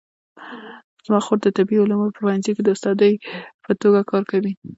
زما خور د طبي علومو په پوهنځي کې د استادې په توګه کار کوي